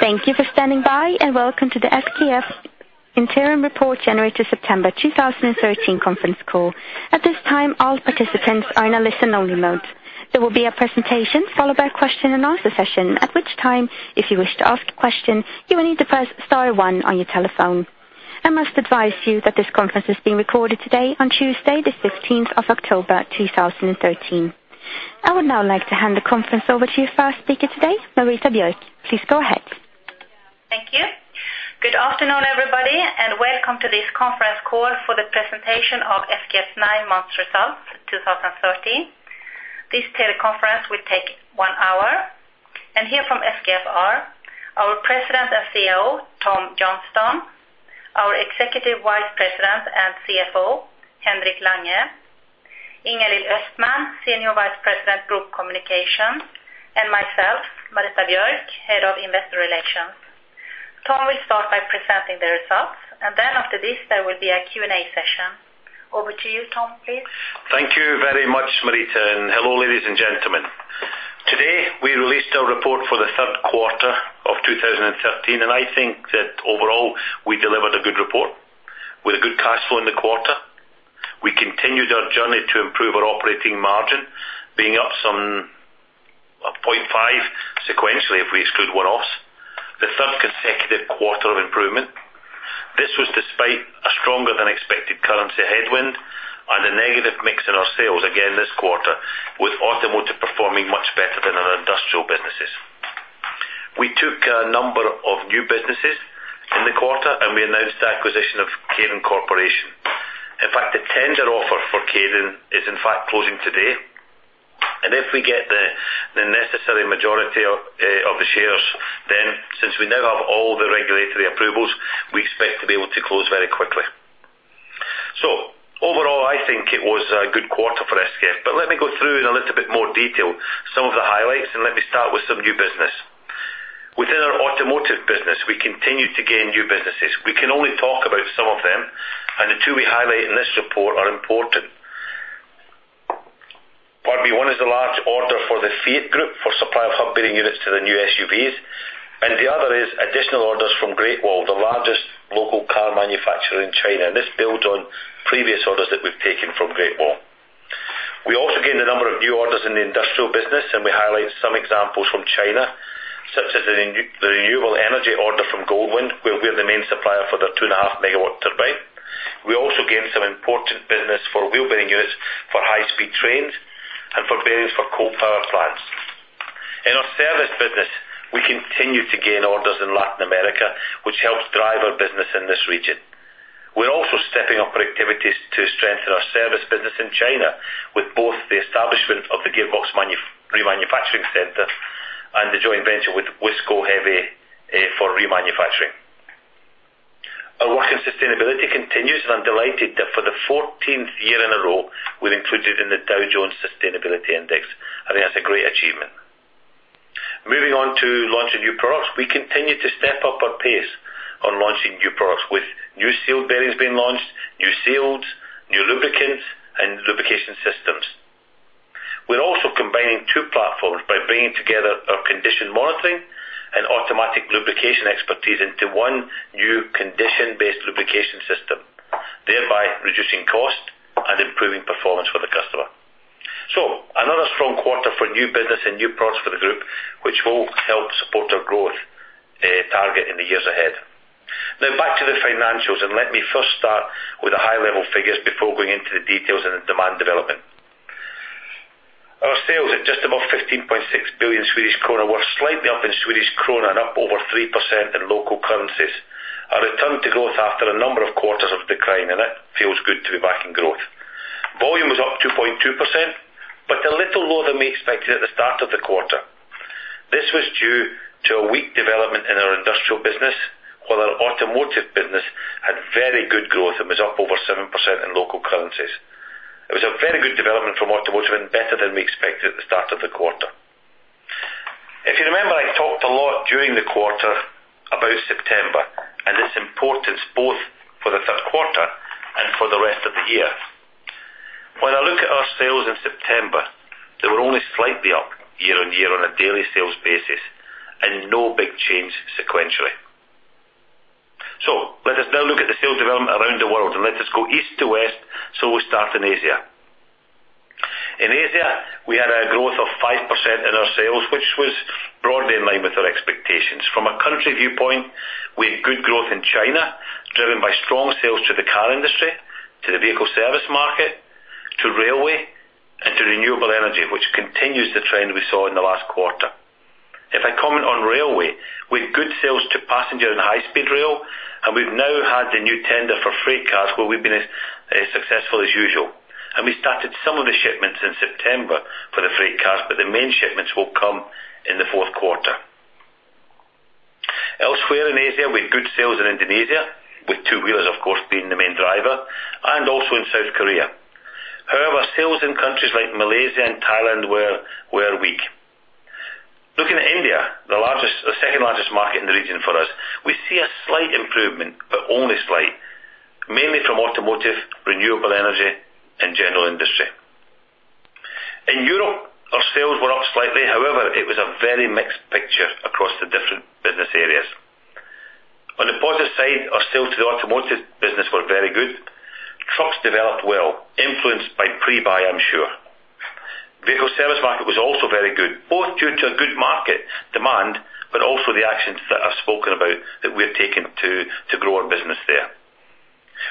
Thank you for standing by, and welcome to the SKF Interim Report, January to September 2013 conference call. At this time, all participants are in a listen-only mode. There will be a presentation followed by a question-and-answer session, at which time, if you wish to ask a question, you will need to press star one on your telephone. I must advise you that this conference is being recorded today on Tuesday, the 15th of October, 2013. I would now like to hand the conference over to your first speaker today, Marita Björk. Please go ahead. Thank you. Good afternoon, everybody, and welcome to this conference call for the presentation of SKF's nine months results, 2013. This teleconference will take one hour, and here from SKF are our President and CEO, Tom Johnstone, our Executive Vice President and CFO, Henrik Lange, Ingalill Östman, Senior Vice President, Group Communications, and myself, Marita Björk, Head of Investor Relations. Tom will start by presenting the results, and then after this, there will be a Q&A session. Over to you, Tom, please. Thank you very much, Marita, and hello, ladies and gentlemen. Today, we released our report for the third quarter of 2013, and I think that overall, we delivered a good report with a good cash flow in the quarter. We continued our journey to improve our operating margin, being up some 0.5 sequentially, if we exclude one-offs, the third consecutive quarter of improvement. This was despite a stronger than expected currency headwind and a negative mix in our sales again this quarter, with automotive performing much better than our industrial businesses. We took a number of new businesses in the quarter, and we announced the acquisition of Kaydon Corporation. In fact, the tender offer for Kaydon is, in fact, closing today, and if we get the necessary majority of of the shares, then since we now have all the regulatory approvals, we expect to be able to close very quickly. So overall, I think it was a good quarter for SKF, but let me go through in a little bit more detail some of the highlights, and let me start with some new business. Within our automotive business, we continued to gain new businesses. We can only talk about some of them, and the two we highlight in this report are important. Partly. One is a large order for the Fiat Group for supply of hub bearing units to the new SUVs, and the other is additional orders from Great Wall, the largest local car manufacturer in China. This builds on previous orders that we've taken from Great Wall. We also gained a number of new orders in the industrial business, and we highlight some examples from China, such as the renewable energy order from Goldwind, where we are the main supplier for their 2.5-megawatt turbine. We also gained some important business for wheel bearing units, for high-speed trains, and for bearings for coal power plants. In our service business, we continue to gain orders in Latin America, which helps drive our business in this region. We're also stepping up our activities to strengthen our service business in China, with both the establishment of the gearbox remanufacturing center and the joint venture with WISCO Heavy, for remanufacturing. Our work in sustainability continues, and I'm delighted that for the 14th year in a row, we're included in the Dow Jones Sustainability Index, and that's a great achievement. Moving on to launching new products. We continue to step up our pace on launching new products, with new sealed bearings being launched, new seals, new lubricants, and lubrication systems. We're also combining two platforms by bringing together our condition monitoring and automatic lubrication expertise into one new condition-based lubrication system, thereby reducing cost and improving performance for the customer. So another strong quarter for new business and new products for the group, which will help support our growth target in the years ahead. Now, back to the financials, and let me first start with the high-level figures before going into the details and the demand development. Our sales at just above 15.6 billion Swedish krona were slightly up in Swedish krona and up over 3% in local currencies. A return to growth after a number of quarters of decline, and it feels good to be back in growth. Volume was up 2.2%, but a little lower than we expected at the start of the quarter. This was due to a weak development in our industrial business, while our automotive business had very good growth and was up over 7% in local currencies. It was a very good development from automotive and better than we expected at the start of the quarter. If you remember, I talked a lot during the quarter about September and its importance, both for the third quarter and for the rest of the year. When I look at our sales in September, they were only slightly up year-on-year on a daily sales basis and no big change sequentially. So let us now look at the sales development around the world, and let us go east to west, so we start in Asia. In Asia, we had a growth of 5% in our sales, which was broadly in line with our expectations. From a country viewpoint, we had good growth in China, driven by strong sales to the car industry, to the vehicle service market, to railway, and to renewable energy, which continues the trend we saw in the last quarter. If I comment on railway, we had good sales to passenger and high-speed rail, and we've now had the new tender for freight cars, where we've been as successful as usual. And we started some of the shipments in September for the freight cars, but the main shipments will come in the fourth quarter. Elsewhere in Asia, we had good sales in Indonesia, with two-wheelers, of course, being the main driver, and also in South Korea. However, sales in countries like Malaysia and Thailand were weak. Looking at India, the largest, the second largest market in the region for us, we see a slight improvement, but only slight, mainly from automotive, renewable energy, and general industry. Our sales were up slightly. However, it was a very mixed picture across the different business areas. On the positive side, our sales to the automotive business were very good. Trucks developed well, influenced by pre-buy, I'm sure. Vehicle service market was also very good, both due to a good market demand, but also the actions that I've spoken about that we have taken to grow our business there.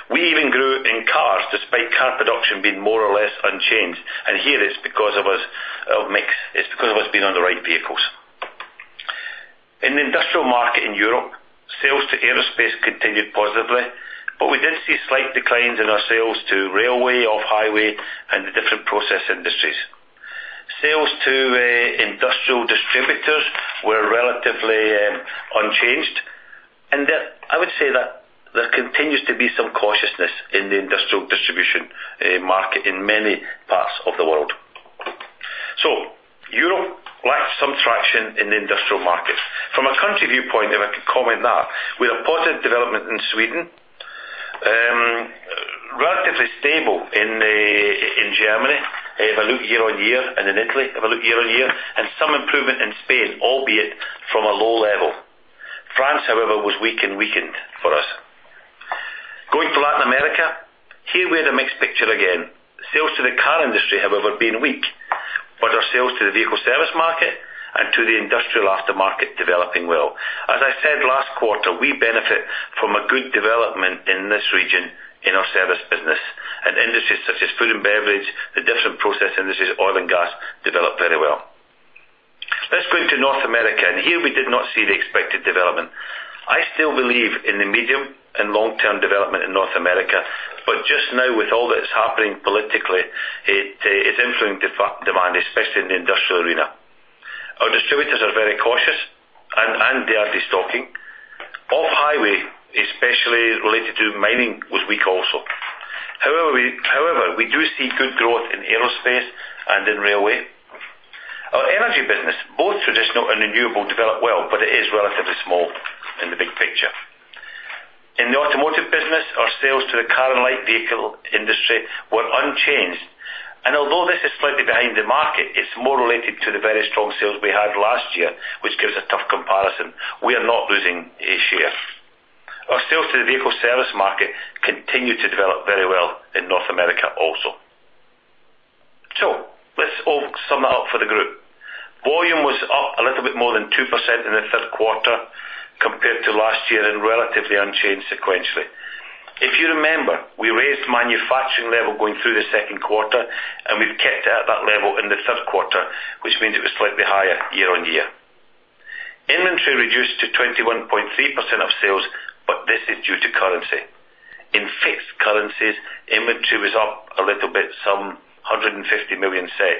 We even grew in cars, despite car production being more or less unchanged, and here it's because of us, of mix. It's because of us being on the right vehicles. In the industrial market in Europe, sales to aerospace continued positively, but we did see slight declines in our sales to railway, off highway, and the different process industries. Sales to industrial distributors were relatively unchanged. I would say that there continues to be some cautiousness in the industrial distribution market in many parts of the world. So Europe lacked some traction in the industrial markets. From a country viewpoint, if I could comment that, we had a positive development in Sweden, relatively stable in Germany, if I look year-on-year, and in Italy, if I look year-on-year, and some improvement in Spain, albeit from a low level. France, however, was weak and weakened for us. Going to Latin America, here we had a mixed picture again. Sales to the car industry, however, have been weak, but our sales to the vehicle service market and to the industrial aftermarket, developing well. As I said last quarter, we benefit from a good development in this region in our service business, and industries such as food and beverage, the different process industries, oil and gas, developed very well. Let's go to North America, and here we did not see the expected development. I still believe in the medium and long-term development in North America, but just now, with all that's happening politically, it, it's influencing the demand, especially in the industrial arena. Our distributors are very cautious, and they are destocking. Off highway, especially related to mining, was weak also. However, we do see good growth in aerospace and in railway. Our energy business, both traditional and renewable, developed well, but it is relatively small in the big picture. In the automotive business, our sales to the car and light vehicle industry were unchanged, and although this is slightly behind the market, it's more related to the very strong sales we had last year, which gives a tough comparison. We are not losing a share. Our sales to the vehicle service market continued to develop very well in North America also. So let's all sum that up for the group. Volume was up a little bit more than 2% in the third quarter compared to last year, and relatively unchanged sequentially. If you remember, we raised manufacturing level going through the second quarter, and we've kept it at that level in the third quarter, which means it was slightly higher year-on-year. Inventory reduced to 21.3% of sales, but this is due to currency. In fixed currencies, inventory was up a little bit, some 150 million SEK,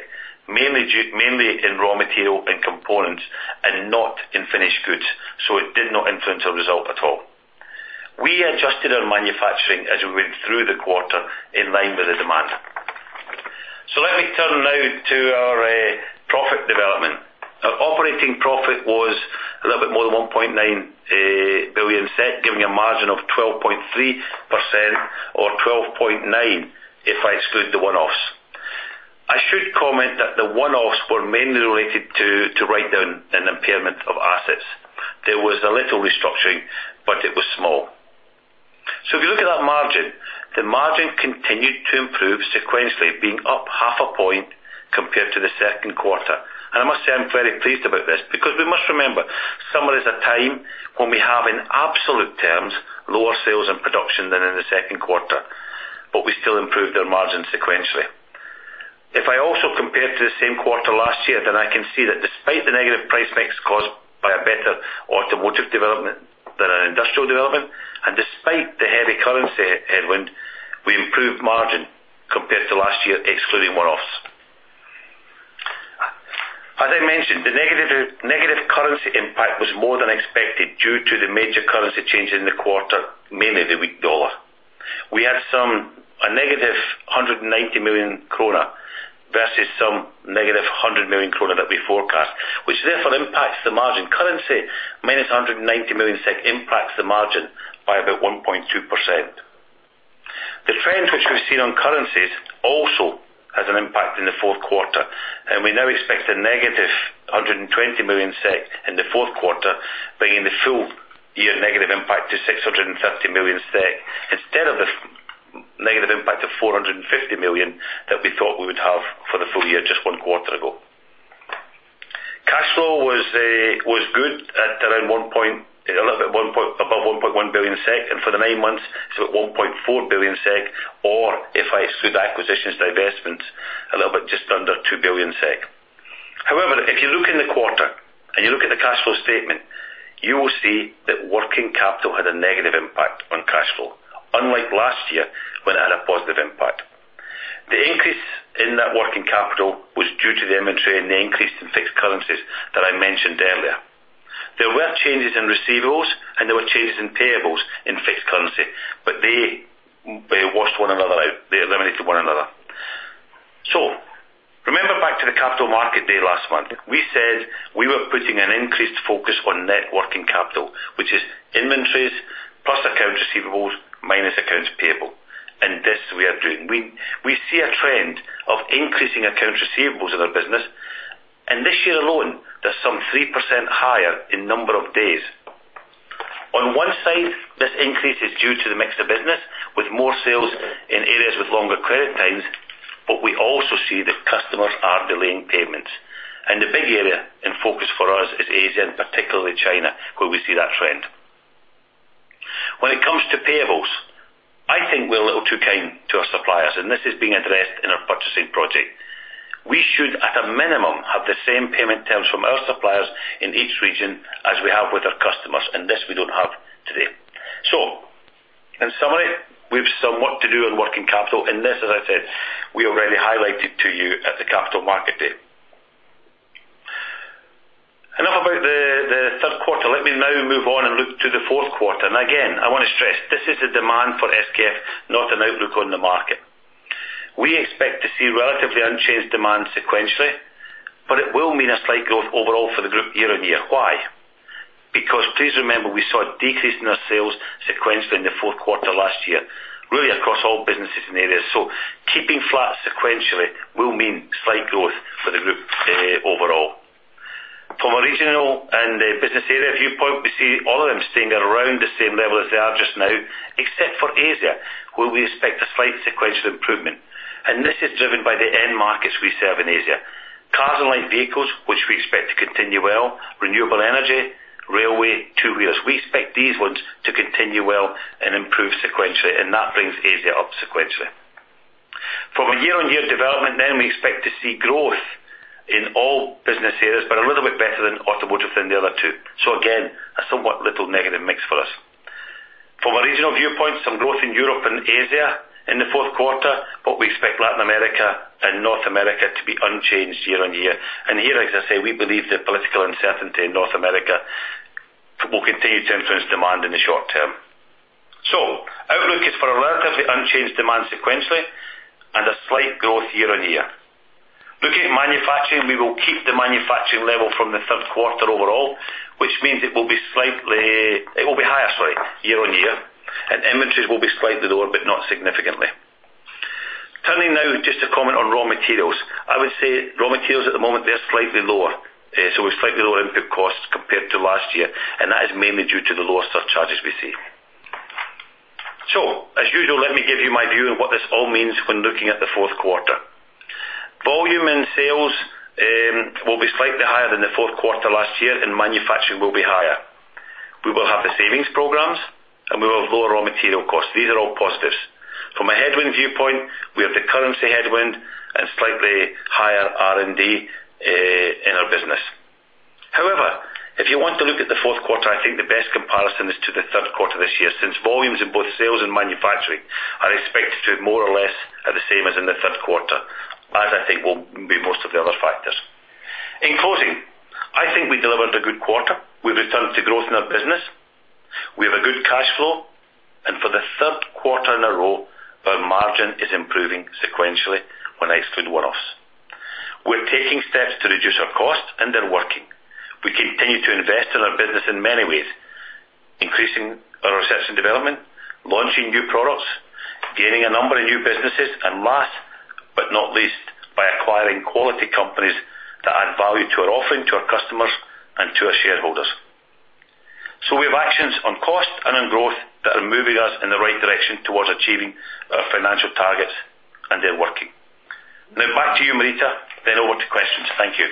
mainly due, mainly in raw material and components and not in finished goods, so it did not influence our result at all. We adjusted our manufacturing as we went through the quarter in line with the demand. So let me turn now to our profit development. Our operating profit was a little bit more than 1.9 billion, giving a margin of 12.3%, or 12.9%, if I exclude the one-offs. I should comment that the one-offs were mainly related to write down an impairment of assets. There was a little restructuring, but it was small. So if you look at that margin, the margin continued to improve sequentially, being up 0.5 point compared to the second quarter. And I must say, I'm very pleased about this, because we must remember, summer is a time when we have, in absolute terms, lower sales and production than in the second quarter, but we still improved our margin sequentially. If I also compare to the same quarter last year, then I can see that despite the negative price mix caused by a better automotive development than an industrial development, and despite the heavy currency headwind, we improved margin compared to last year, excluding one-offs. As I mentioned, the negative currency impact was more than expected due to the major currency change in the quarter, mainly the weak dollar. We had a negative 190 million krona versus some negative 100 million krona that we forecast, which therefore impacts the margin. Currency, -190 million SEK, impacts the margin by about 1.2%. The trend which we've seen on currencies also has an impact in the fourth quarter, and we now expect a negative 120 million SEK in the fourth quarter, bringing the full year negative impact to 630 million SEK, instead of the negative impact of 450 million that we thought we would have for the full year, just one quarter ago. Cash flow was good at around a little bit above 1.1 billion SEK, and for the nine months, so at 1.4 billion SEK, or if I exclude acquisitions, divestment, a little bit just under 2 billion SEK. However, if you look in the quarter, and you look at the cash flow statement, you will see that working capital had a negative impact on cash flow, unlike last year, when it had a positive impact. The increase in that working capital was due to the inventory and the increase in fixed currencies that I mentioned earlier. There were changes in receivables, and there were changes in payables in fixed currency, but they, they washed one another out. They eliminated one another. So remember back to the Capital Market Day last month. We said we were putting an increased focus on net working capital, which is inventories, plus accounts receivables, minus accounts payable, and this we are doing. We, we see a trend of increasing accounts receivables in our business, and this year alone, there's some 3% higher in number of days. On one side, this increase is due to the mix of business, with more sales in areas with longer credit times, but we also see that customers are delaying payments. The big area in focus for us is Asia, and particularly China, where we see that trend. When it comes to payables, I think we're a little too kind to our suppliers, and this is being addressed in our purchasing project. We should, at a minimum, have the same payment terms from our suppliers in each region as we have with our customers, and this we don't have today. In summary, we've some work to do on working capital, and this, as I said, we already highlighted to you at the Capital Markets Day. Enough about the third quarter. Let me now move on and look to the fourth quarter. And again, I want to stress, this is the demand for SKF, not an outlook on the market. We expect to see relatively unchanged demand sequentially, but it will mean a slight growth overall for the group year on year. Why? Because please remember, we saw a decrease in our sales sequentially in the fourth quarter last year, really across all businesses and areas. So keeping flat sequentially will mean slight growth for the group, overall. From a regional and a business area viewpoint, we see all of them staying around the same level as they are just now, except for Asia, where we expect a slight sequential improvement. And this is driven by the end markets we serve in Asia. Cars and light vehicles, which we expect to continue well, renewable energy, railway, two wheels. We expect these ones to continue well and improve sequentially, and that brings Asia up sequentially. From a year-on-year development, then we expect to see growth in all business areas, but a little bit better than automotive than the other two. So again, a somewhat little negative mix for us. From a regional viewpoint, some growth in Europe and Asia in the fourth quarter, but we expect Latin America and North America to be unchanged year-on-year. And here, as I say, we believe the political uncertainty in North America will continue to influence demand in the short term. So outlook is for a relatively unchanged demand sequentially and a slight growth year-on-year. Looking at manufacturing, we will keep the manufacturing level from the third quarter overall, which means it will be slightly. It will be higher, sorry, year-on-year, and inventories will be slightly lower, but not significantly. Turning now just to comment on raw materials. I would say raw materials at the moment. They are slightly lower, so slightly lower input costs compared to last year, and that is mainly due to the lower surcharges we see. So as usual, let me give you my view on what this all means when looking at the fourth quarter. Volume and sales will be slightly higher than the fourth quarter last year, and manufacturing will be higher. We will have the savings programs, and we will have lower raw material costs. These are all positives. From a headwind viewpoint, we have the currency headwind and slightly higher R&D in our business. However, if you want to look at the fourth quarter, I think the best comparison is to the third quarter this year, since volumes in both sales and manufacturing are expected to more or less at the same as in the third quarter, as I think will be most of the other factors. In closing, I think we delivered a good quarter. We've returned to growth in our business. We have a good cash flow, and for the third quarter in a row, our margin is improving sequentially when I exclude one-offs. We're taking steps to reduce our costs, and they're working. We continue to invest in our business in many ways, increasing our research and development, launching new products, gaining a number of new businesses, and last but not least, by acquiring quality companies that add value to our offering, to our customers and to our shareholders. So we have actions on cost and on growth that are moving us in the right direction towards achieving our financial targets, and they're working. Now, back to you, Marita, then over to questions. Thank you.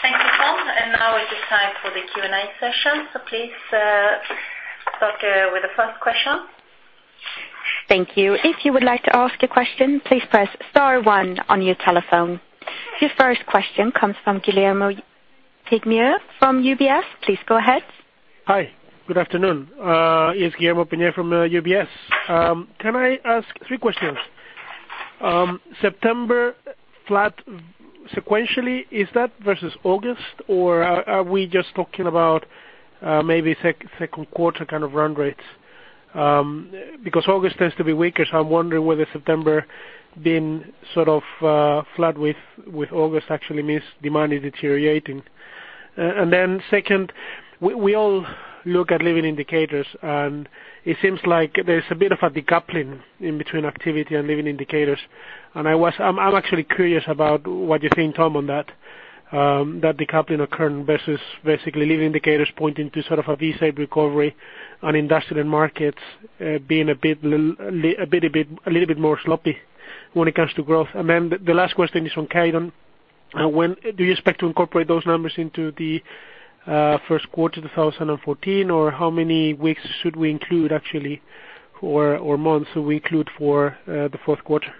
Thank you, Tom. Now it is time for the Q&A session. Please, start with the first question. Thank you. If you would like to ask a question, please press star one on your telephone. Your first question comes from Guillermo Peigneux from UBS. Please go ahead. Hi, good afternoon. It's Guillermo Peigneux from UBS. Can I ask three questions? September flat sequentially, is that versus August, or are we just talking about maybe second quarter kind of run rates? Because August tends to be weaker, so I'm wondering whether September being sort of flat with August actually means demand is deteriorating. And then second, we all look at leading indicators, and it seems like there's a bit of a decoupling in between activity and leading indicators. I'm actually curious about what you think, Tom, on that decoupling occurring versus basically leading indicators pointing to sort of a V-shaped recovery on industrial markets being a little bit more sloppy when it comes to growth. Then the last question is on Kaydon. When do you expect to incorporate those numbers into the first quarter of 2014? Or how many weeks should we include, actually, or months we include for the fourth quarter?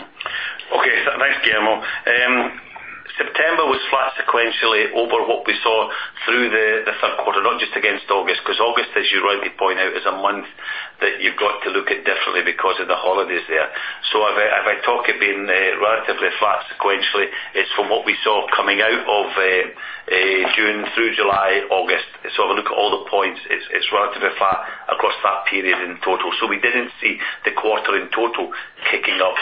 Okay, so thanks, Guillermo. September was flat sequentially over what we saw through the third quarter, not just against August, because August, as you rightly point out, is a month that you've got to look at differently because of the holidays there. So if I talk it being relatively flat sequentially, it's from what we saw coming out of June through July, August. So if I look at all the points, it's relatively flat across that period in total. So we didn't see the quarter in total kicking off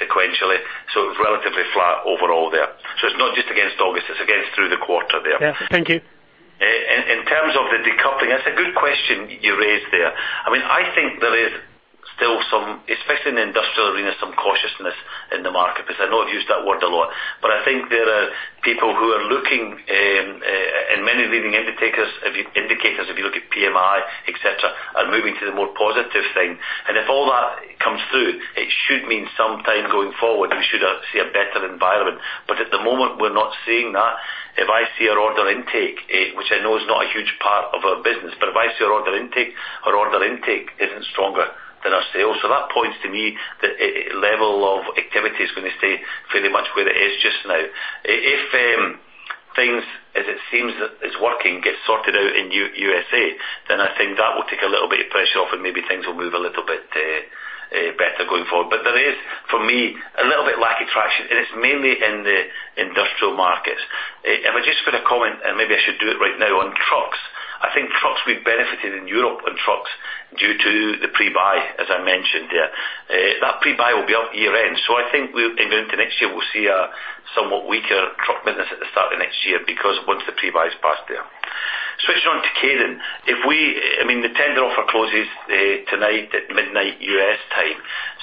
sequentially, so it's relatively flat overall there. So it's not just against August, it's against through the quarter there. Yeah. Thank you. In terms of the decoupling, that's a good question you raised there. I mean, I think there is still some, especially in the industrial arena, some cautiousness in the market. Because I know I've used that word a lot, but I think there are people who are looking, and many leading indicators, indicators, if you look at PMI, et cetera, are moving to the more positive thing. And if all that comes through, it should mean some time going forward, we should see a better environment. But at the moment, we're not seeing that. If I see our order intake, which I know is not a huge part of our business, but if I see our order intake, our order intake isn't stronger than our sales. So that points to me that level of activity is gonna stay fairly much where it is just now. If things, as it seems, that is working, gets sorted out in USA, then I think that will take a little bit of pressure off, and maybe things will move a little bit better going forward. But there is, for me, a little bit lack of traction, and it's mainly in the industrial markets. If I just put a comment, and maybe I should do it right now on trucks. I think trucks, we benefited in Europe, on trucks, due to the pre-buy, as I mentioned there. That pre-buy will be up year-end. So I think into next year, we'll see a somewhat weaker truck business at the start of next year because once the pre-buy is passed there. Switching on to Kaydon. If we, I mean, the tender offer closes tonight at midnight, U.S. time,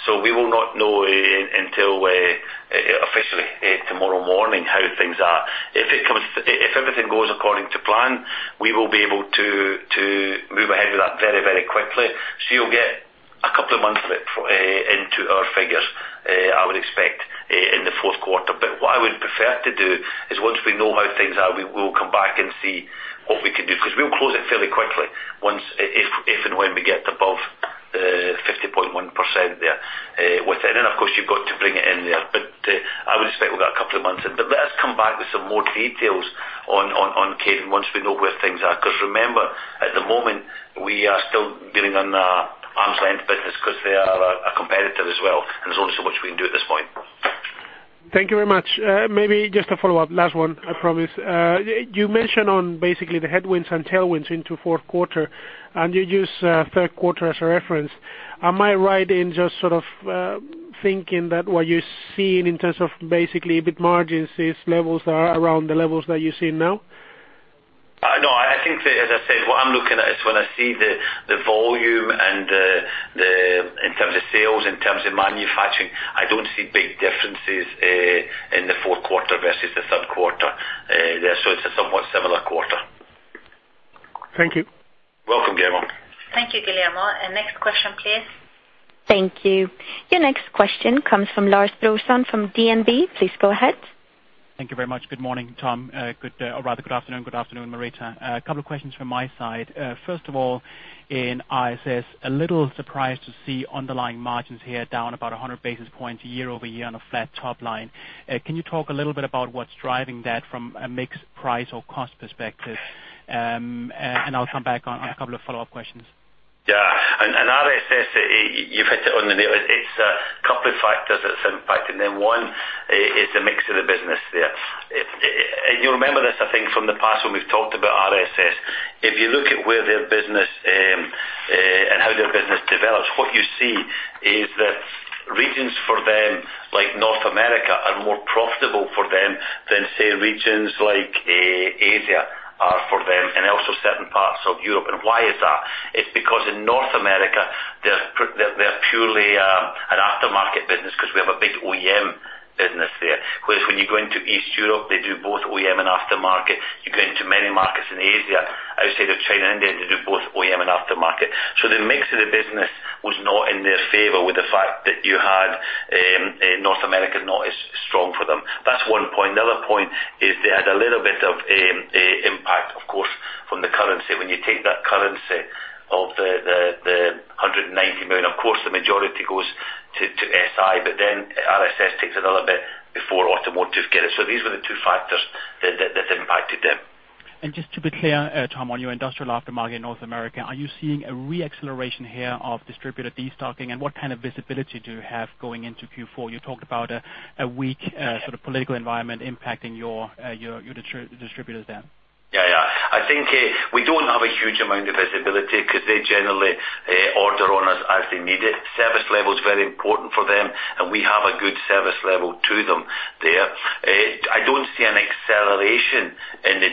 so we will not know until officially tomorrow morning how things are. If it comes to, if, if everything goes according to plan, we will be able to move ahead with that very, very quickly. So you'll get a couple of months of it into our figures, I would expect, in the fourth quarter. But what I would prefer to do is, once we know how things are, we will come back and see what we can do. Because we'll close it fairly quickly once, if, if and when we get above 50.1% there with it. And then, of course, you've got to bring it in there. But I would expect we've got a couple of months in. But let us come back with some more details on Kaydon once we know where things are. Because, remember, at the moment, we are still dealing on an arm's length business because they are a competitor as well, and there's only so much we can do at this point. Thank you very much. Maybe just a follow-up. Last one, I promise. You mentioned on basically the headwinds and tailwinds into fourth quarter, and you used third quarter as a reference. Am I right in just sort of thinking that what you're seeing in terms of basically EBIT margins is levels that are around the levels that you're seeing now? No, I think that, as I said, what I'm looking at is when I see the volume and in terms of sales, in terms of manufacturing, I don't see big differences in the fourth quarter versus the third quarter there. So it's a somewhat similar quarter. Thank you. Welcome, Guillermo. Thank you, Guillermo. Next question, please. Thank you. Your next question comes from Lars Brorson, from DNB. Please go ahead. Thank you very much. Good morning, Tom. Good day, or rather, good afternoon. Good afternoon, Marita. A couple of questions from my side. First of all, in SI, a little surprised to see underlying margins here down about 100 basis points year-over-year on a flat top line. Can you talk a little bit about what's driving that from a mix, price, or cost perspective? And I'll come back on a couple of follow-up questions. Yeah. And RSS, you've hit it on the nail. It's a couple of factors that's impacting them. One is a mix of the business there. You'll remember this, I think, from the past, when we've talked about RSS. If you look at where their business and how their business develops, what you see is that regions for them, like North America, are more profitable for them than, say, regions like Asia are for them, and also certain parts of Europe. And why is that? It's because in North America, they're purely an aftermarket business because we have a big OEM business there. Whereas when you go into East Europe, they do both OEM and aftermarket. You go into many markets in Asia, outside of China and India, they do both OEM and aftermarket. So the mix of the business was not in their favor with the fact that you had North America not as strong for them. That's one point. The other point is they had a little bit of impact, of course, from the currency. When you take that currency of the 190 million, of course, the majority goes to SI, but then RSS takes another bit before automotive get it. So these were the two factors that impacted them. Just to be clear, Tom, on your industrial aftermarket in North America, are you seeing a re-acceleration here of distributor destocking, and what kind of visibility do you have going into Q4? You talked about a weak, sort of political environment impacting your distributors there. Yeah, yeah. I think, we don't have a huge amount of visibility because they generally, order on us as they need it. Service level is very important for them, and we have a good service level to them there. I don't see an acceleration in the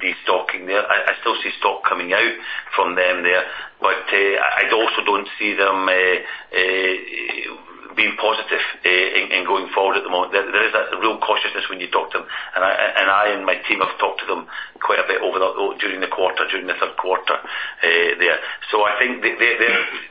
destocking there. I still see stock coming out from them there, but, I'd also don't see them, being positive, in going forward at the moment. There is a real cautiousness when you talk to them, and I and my team have talked to them quite a bit over the. During the quarter, during the third quarter, there. So I think they, they.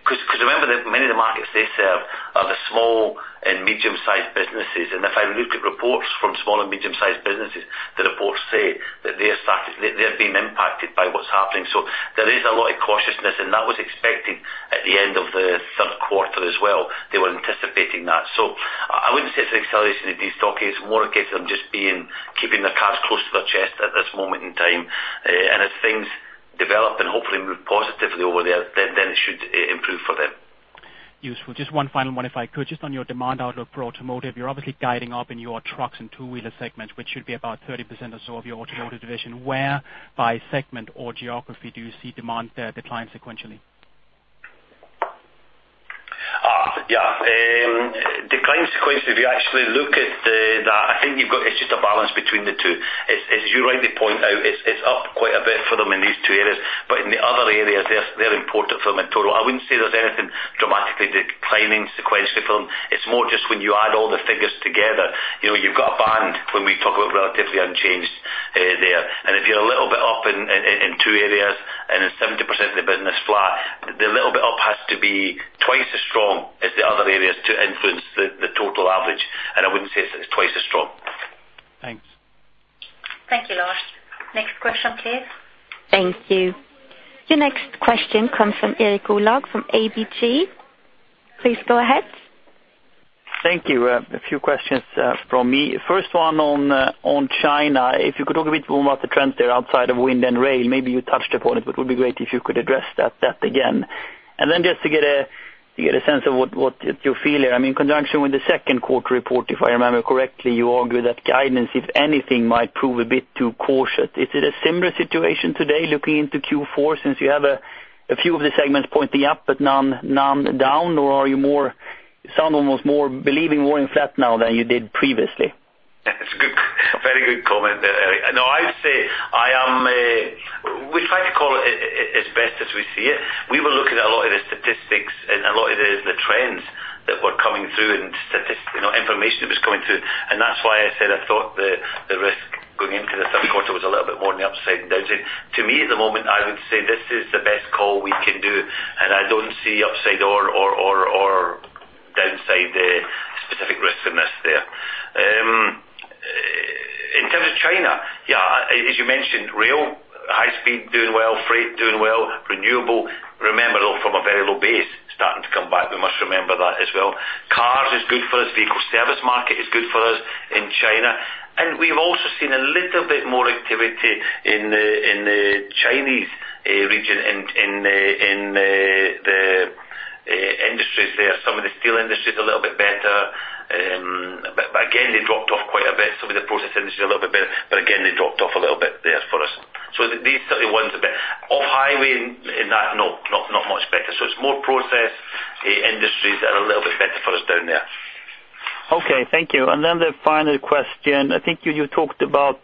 'Cause remember that many of the markets they serve are the small and medium-sized businesses, and if I look at reports from small and medium-sized businesses, the reports say that they are being impacted by what's happening. So there is a lot of cautiousness, and that was expected at the end of the third quarter as well. They were anticipating that. So I wouldn't say it's an acceleration of destocking. It's more a case of them just being, keeping their cards close to their chest at this moment in time. And as things develop and hopefully move positively over there, then it should improve for them. Useful. Just one final one, if I could. Just on your demand outlook for automotive, you're obviously guiding up in your trucks and two-wheeler segments, which should be about 30% or so of your automotive division. Where, by segment or geography, do you see demand decline sequentially? Yeah. Decline sequence, if you actually look at that, I think you've got, it's just a balance between the two. As you rightly point out, it's up quite a bit for them in these two areas. But in the other areas, they're important for them in total. I wouldn't say there's anything dramatically declining sequentially for them. It's more just when you add all the figures together, you know, you've got a band when we talk about relatively unchanged there. And if you're a little bit up in two areas and then 70% of the business flat, the little bit up has to be twice as strong as the other areas to influence the total average, and I wouldn't say it's twice as strong. Thanks. Thank you, Lars. Next question, please. Thank you. Your next question comes from Erik Golrang from ABG. Please go ahead. Thank you. A few questions from me. First one on China. If you could talk a bit more about the trends there outside of wind and rail. Maybe you touched upon it, but it would be great if you could address that again. And then just to get a sense of what you feel here, I mean, in conjunction with the second quarter report, if I remember correctly, you argued that guidance, if anything, might prove a bit too cautious. Is it a similar situation today, looking into Q4, since you have a few of the segments pointing up, but none down? Or are you more. You sound almost more believing in flat now than you did previously. That's a good, very good comment there, Eric. No, I would say, I am. We try to call it as best as we see it. We were looking at a lot of the statistics and a lot of the trends that were coming through and you know, information that was coming through, and that's why I said I thought the risk going into the third quarter was a little bit more on the upside than downside. To me, at the moment, I would say this is the best call we can do, and I don't see upside or downside specific risk in this there. In terms of China, yeah, as you mentioned, rail, high speed, doing well, freight, doing well, renewable. Remember, though, from a very low base, starting to come back. We must remember that as well. Cars is good for us. Vehicle service market is good for us in China, and we've also seen a little bit more activity in the Chinese region, in the industries there. Some of the steel industries a little bit better, but again, they dropped off quite a bit. Some of the process industries a little bit better, but again, they dropped off a little bit there for us. So these thirty ones a bit. Off-highway and that, no, not much better. So it's more process industries that are a little bit better for us down there. Okay, thank you. Then the final question, I think you, you talked about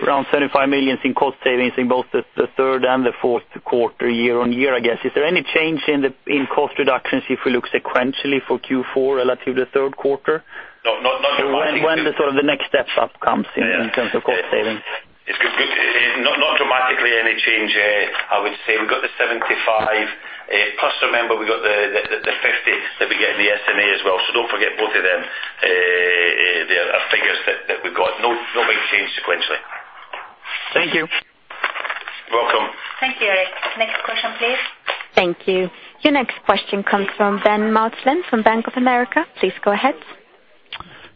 around 75 million in cost savings in both the third and the fourth quarter, year-on-year, I guess. Is there any change in the, in cost reductions if we look sequentially for Q4 relative to the third quarter? No, not. When the sort of the next step up comes in terms of cost savings? It's good. Not dramatically any change there. I would say we've got the 75, plus, remember, we got the 50 that we get in the S&A as well. So don't forget both of them. They are figures that we've got. No big change sequentially. Thank you. Welcome. Thank you, Erik. Next question, please. Thank you. Your next question comes from Ben Maslen from Bank of America. Please go ahead.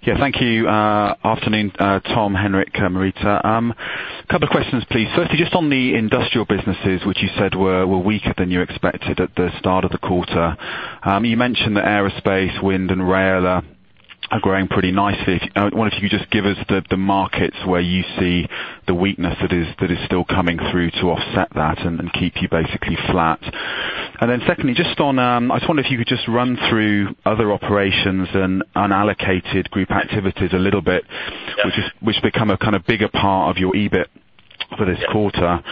Yeah, thank you. Afternoon, Tom, Henrik, Marita. A couple of questions, please. Firstly, just on the industrial businesses, which you said were weaker than you expected at the start of the quarter. You mentioned that aerospace, wind, and rail are growing pretty nicely. I wonder if you could just give us the markets where you see the weakness that is still coming through to offset that and keep you basically flat. And then secondly, just on. I just wonder if you could just run through other operations and unallocated group activities a little bit, which become a kind of bigger part of your EBIT for this quarter.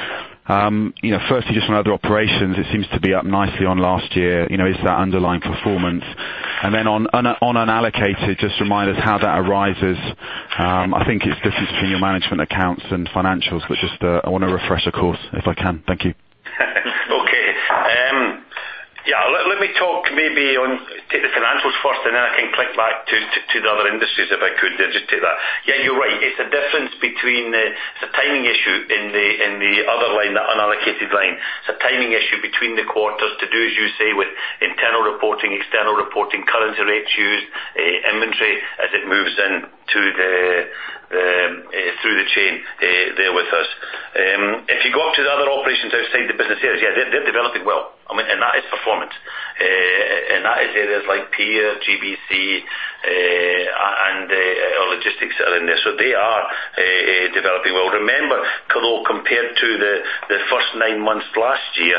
You know, firstly, just from other operations, it seems to be up nicely on last year, you know, is that underlying performance? And then on unallocated, just remind us how that arises. I think it's the difference between your management accounts and financials, which is the. I want to refresh, of course, if I can. Thank you. Okay. Yeah, let me talk maybe on, take the financials first, and then I can click back to the other industries, if I could, just take that. Yeah, you're right. It's a difference between the. It's a timing issue in the other line, that unallocated line. It's a timing issue between the quarters to do, as you say, with internal reporting, external reporting, currency rates used, inventory, as it moves into the through the chain there with us. If you go up to the other operations outside the business areas, yeah, they're developing well. I mean, and that is performance. And that is areas like PEER, GBC, and our logistics are in there. So they are developing well. Remember, Carol, compared to the first nine months last year,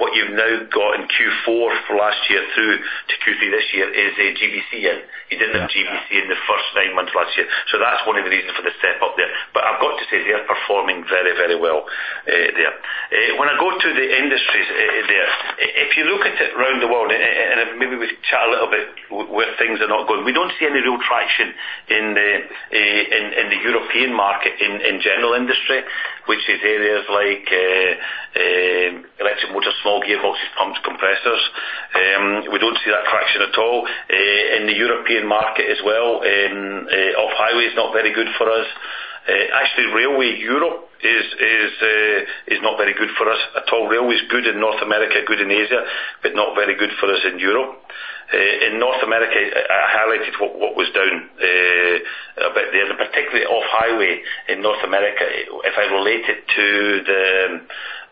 what you've now got in Q4 last year through to Q3 this year is GBC in. You didn't have GBC in the first nine months of last year. So that's one of the reasons for the step up there. But I've got to say, they are performing very, very well there. When I go to the industries there, if you look at it around the world, and maybe we chat a little bit where things are not going, we don't see any real traction in the European market, in general industry, which is areas like electric motors, small gearboxes, pumps, compressors. We don't see that traction at all. In the European market as well, off-highway is not very good for us. Actually, railway Europe is not very good for us at all. Railway is good in North America, good in Asia, but not very good for us in Europe. In North America, I highlighted what was down a bit there, and particularly off-highway in North America. If I relate it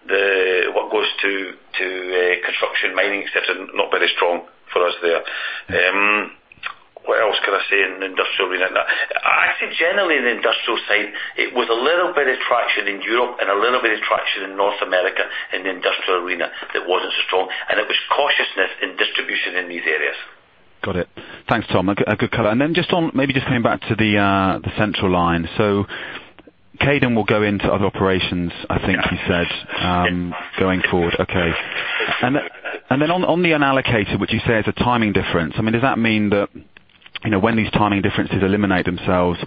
to what goes to construction, mining sector, not very strong for us there. What else can I say in the industrial mix? In Europe and a little bit of traction in North America, in the industrial arena, that wasn't so strong, and it was cautiousness in distribution in these areas. Got it. Thanks, Tom. A good, a good color. And then just on, maybe just coming back to the, the central line. So Kadant will go into other operations, I think you said, going forward. Yes. Okay. And then on the unallocated, which you say is a timing difference, I mean, does that mean that, you know, when these timing differences eliminate themselves,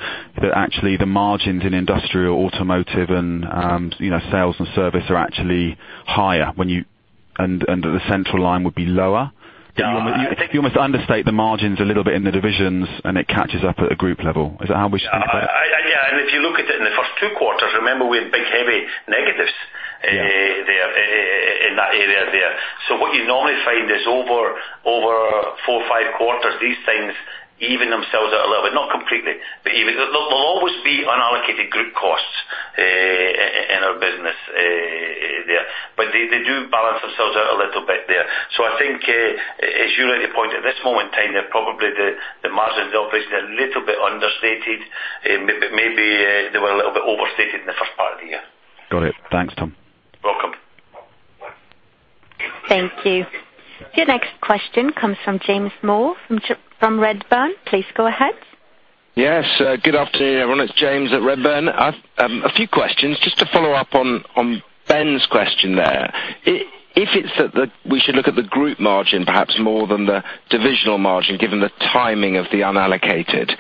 that actually the margins in industrial, automotive, and, you know, sales and service are actually higher when you and the central line would be lower? Yeah. I think you almost understate the margins a little bit in the divisions, and it catches up at a group level. Is that how we should look at it? Yeah, and if you look at it in the first two quarters, remember, we had big, heavy negatives- Yeah In that area there. So what you normally find is over four, five quarters, these things even themselves out a little bit, not completely, but even. There will always be unallocated group costs in our business there. But they do balance themselves out a little bit there. So I think, as you rightly point out, at this moment in time, they're probably the margins are obviously a little bit understated, but maybe they were a little bit overstated in the first part of the year. Got it. Thanks, Tom. Welcome. Thank you. Your next question comes from James Moore, from Redburn. Please go ahead. Yes, good afternoon, everyone. It's James at Redburn. I've a few questions. Just to follow up on Ben's question there. If it's that we should look at the group margin, perhaps more than the divisional margin, given the timing of the unallocated,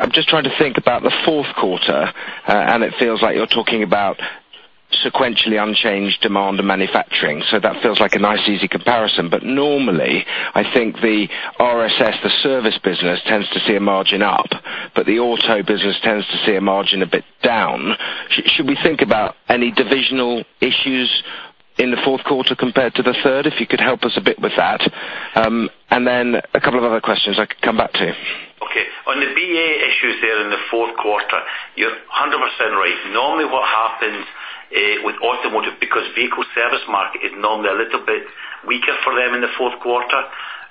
I'm just trying to think about the fourth quarter, and it feels like you're talking about sequentially unchanged demand and manufacturing, so that feels like a nice, easy comparison. But normally, I think the RSS, the service business, tends to see a margin up, but the auto business tends to see a margin a bit down. Should we think about any divisional issues in the fourth quarter compared to the third? If you could help us a bit with that. And then a couple of other questions I could come back to you. Okay. On the BA issues there in the fourth quarter, you're 100% right. Normally, what happens with automotive, because vehicle service market is normally a little bit weaker for them in the fourth quarter,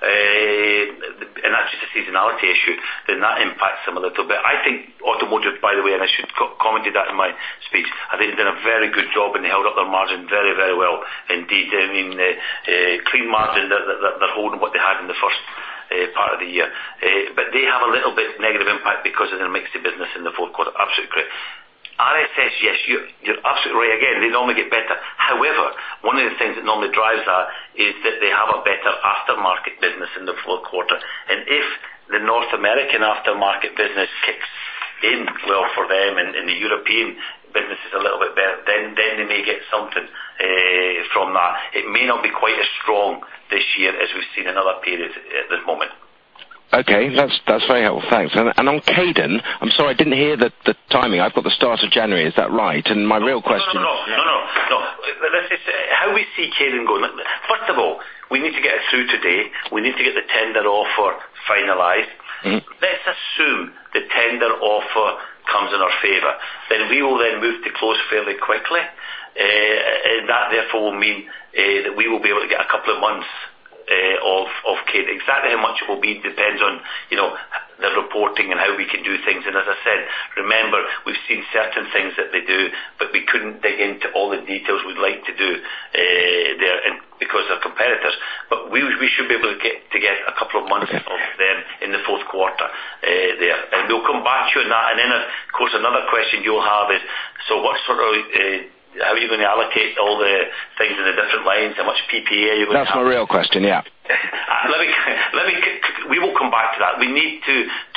and that's just a seasonality issue, then that impacts them a little bit. I think automotive, by the way, and I should have commented that in my speech, I think they've done a very good job, and they held up their margin very, very well indeed. I mean, the clean margin, they're holding what they had in the first part of the year. But they have a little bit negative impact because of their mix of business in the fourth quarter. Absolutely correct. RSS, yes, you're absolutely right again. They normally get better. However, one of the things that normally drives that is that they have a better aftermarket business in the fourth quarter. If the North American aftermarket business kicks in well for them, and the European business is a little bit better, then they may get something from that. It may not be quite as strong this year as we've seen in other periods at this moment. Okay. That's very helpful. Thanks. And on Kadant, I'm sorry, I didn't hear the timing. I've got the start of January. Is that right? And my real question- No, no, no. No, no. No. Let's just say, how we see Kadant going. First of all, we need to get it through today. We need to get the tender offer finalized. Mm-hmm. Let's assume the tender offer comes in our favor, then we will then move to close fairly quickly. And that, therefore, will mean that we will be able to get a couple of months of Kadant. Exactly how much it will be depends on, you know, the reporting and how we can do things. And as I said, remember, we've seen certain things that they do, but we couldn't dig into all the details we'd like to do there and because they're competitors. But we should be able to get a couple of months of them in the fourth quarter there. And we'll come back to you on that. And then, of course, another question you'll have is, so what sort of how are you going to allocate all the things in the different lines? How much PPA you're going to have? That's my real question, yeah. Let me. We will come back to that. We need to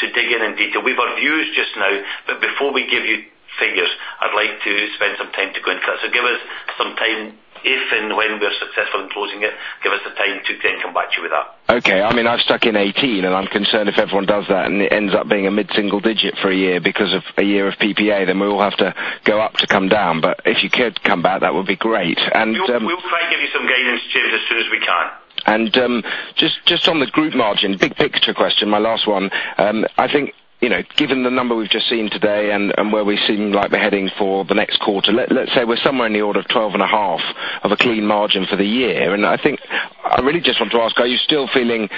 dig in in detail. We've our views just now, but before we give you figures, I'd like to spend some time to go into that. So give us some time, if and when we are successful in closing it, give us the time to then come back to you with that. Okay. I mean, I've stuck in 18, and I'm concerned if everyone does that, and it ends up being a mid-single digit for a year because of a year of PPA, then we will have to go up to come down. But if you could come back, that would be great. And, We'll try to give you some guidance, James, as soon as we can. Just on the group margin, big picture question, my last one. I think, you know, given the number we've just seen today and where we seem like we're heading for the next quarter, let's say we're somewhere in the order of 12.5% clean margin for the year. And I think, I really just want to ask, are you still feeling